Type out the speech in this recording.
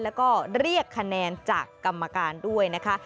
แล้วก็เรียกคะแนนจากกรรมการด้วยนะคะ